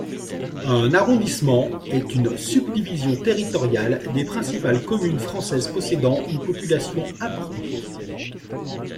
Un arrondissement est une subdivision territoriale des principales communes françaises possédant une population importante.